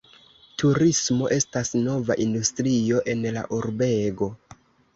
Turismo estas nova industrio en la urbego.